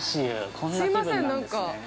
すいません、なんか。